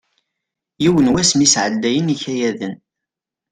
Yiwen wass mi sɛeddayen ikayaden.